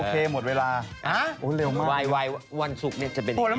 ทำงานครึ่งชั่วโมง